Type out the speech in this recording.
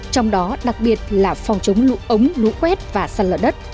trong đó đặc biệt là phòng chống lũ ống lũ quét và sạt lở đất